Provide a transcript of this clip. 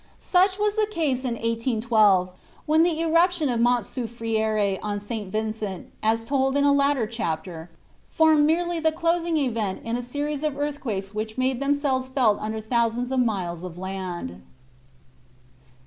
Such was the case in 1812, when the eruption of Mont Soufriere on St. Vincent, as told in a later chapter, formed merely the closing event in a series of earthquakes which had made themselves felt under thousands of miles of land.